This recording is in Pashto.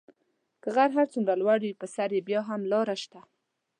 که غر هر څومره لوړ وي په سر یې بیا هم لاره شته .